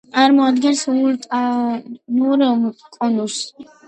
წარმოადგენს ვულკანურ კონუსს.